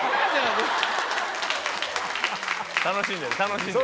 楽しんでる。